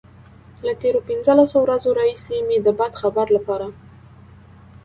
له تېرو پنځلسو ورځو راهيسې مې د بد خبر لپاره.